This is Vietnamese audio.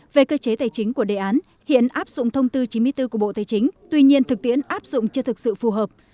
về cơ chế tài chính của đề án hiện áp dụng thông tư chín mươi bốn của bộ tài chính tuy nhiên thực tiễn áp dụng chưa thực sự phù hợp